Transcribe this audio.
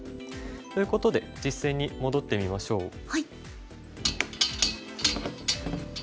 ということで実戦に戻ってみましょう。